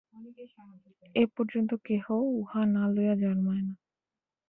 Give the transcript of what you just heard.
এ-পর্যন্ত কেহ উহা না লইয়া জন্মায় না।